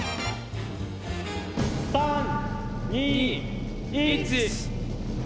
３・２・１！